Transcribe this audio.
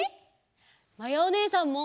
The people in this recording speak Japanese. まやおねえさんも！